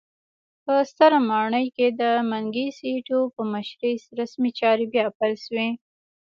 په ستره ماڼۍ کې د منګیسټیو په مشرۍ رسمي چارې بیا پیل شوې.